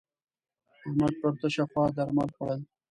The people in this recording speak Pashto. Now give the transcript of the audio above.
احمد پر تشه خوا درمل خوړول.